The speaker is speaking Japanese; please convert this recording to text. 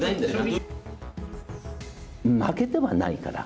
負けてはないから。